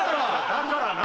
だからな！